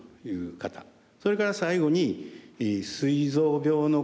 それから最後にすい臓病の家族歴。